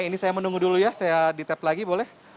ini saya menunggu dulu ya saya di tap lagi boleh